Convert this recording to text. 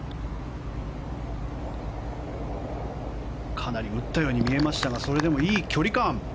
かなり打ったように見えましたがそれでもいい距離感。